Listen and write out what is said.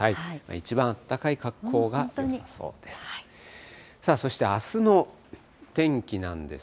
一番あったかいかっこうがよさそうです。